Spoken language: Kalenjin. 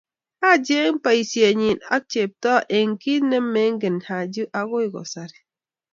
Haji eng boisienyii ak chepto eng kit nemengen Haji okoi kasari.